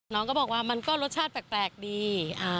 น้องก็บอกว่ามันก็รสชาติแปลกดี